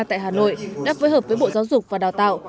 tại hà nội đã phối hợp với bộ giáo dục và đào tạo